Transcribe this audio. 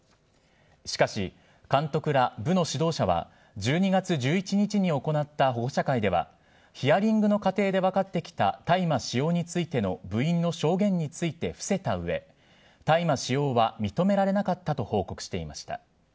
しかし、監督ら部の指導者は、１２月１１日に行った保護者会では、ヒアリングの過程で分かってきた大麻使用についての部員の証言について伏せたうえ、大麻使用は認められなかったと報告していました。